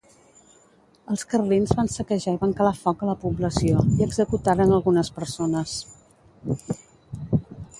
Els carlins van saquejar i van calar foc a la població, i executaren algunes persones.